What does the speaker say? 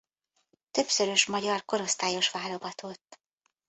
Többszörös magyar korosztályos válogatott.